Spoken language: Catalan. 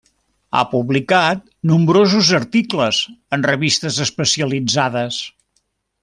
Ha publicat nombrosos articles a revistes especialitzades.